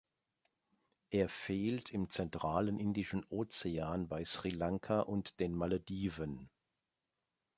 Er fehlt im zentralen Indischen Ozean bei Sri Lanka und den Malediven.